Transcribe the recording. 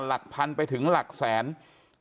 ความปลอดภัยของนายอภิรักษ์และครอบครัวด้วยซ้ำ